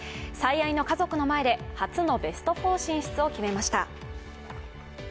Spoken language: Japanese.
最愛の家族の前で初のベスト４進出を決めました。